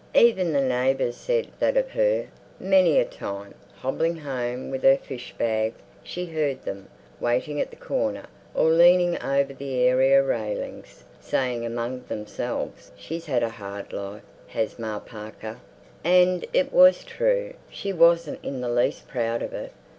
Even the neighbours said that of her. Many a time, hobbling home with her fish bag she heard them, waiting at the corner, or leaning over the area railings, say among themselves, "She's had a hard life, has Ma Parker." And it was so true she wasn't in the least proud of it.